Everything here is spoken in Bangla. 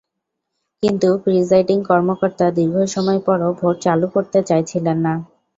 কিন্তু প্রিসাইডিং কর্মকর্তা দীর্ঘ সময় পরও ভোট চালু করতে চাইছিলেন না।